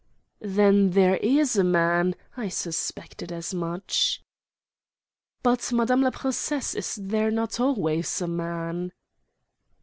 "Then there is a man! I suspected as much." "But, madame la princesse, is there not always a man?"